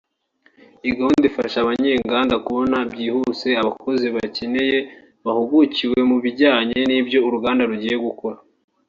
Iyi gahunda ifasha abanyenganda kubona byihuse abakozi bakeneye bahugukiwe mu bijyanye n’ibyo uruganda rugiye gukora